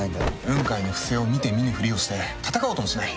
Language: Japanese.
雲海の不正を見て見ぬふりをして戦おうともしない。